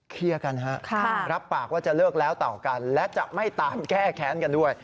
เคลียร์กันฮะรับปากว่าจะเลิกแล้วเต่ากันและจะไม่ตามแก้แค้นกันด้วย